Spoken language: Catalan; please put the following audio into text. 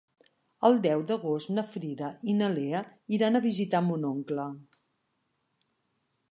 El deu d'agost na Frida i na Lea iran a visitar mon oncle.